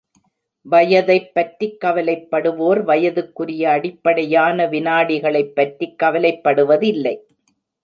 வயதைப் பற்றிக் கவலைப்படுவோர் வயதுக்குரிய அடிப்படையான விநாடிகளைப் பற்றிக் கவலைப்படுவதில்லை.